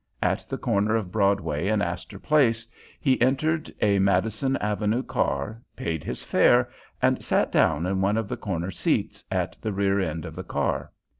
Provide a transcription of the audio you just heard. At the corner of Broadway and Astor Place he entered a Madison Avenue car, paid his fare, and sat down in one of the corner seats at the rear end of the car.